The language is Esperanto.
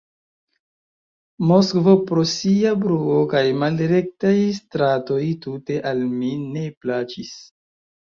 Moskvo pro sia bruo kaj malrektaj stratoj tute al mi ne plaĉis.